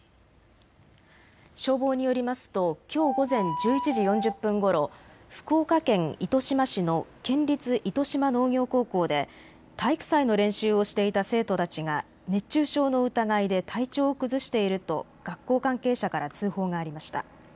消防によりますときょう午前１１時４０分ごろ、福岡県糸島市の県立糸島農業高校で体育祭の練習をしていた生徒たちが熱中症の疑いで体調を崩していると学校関係者から通報がありました。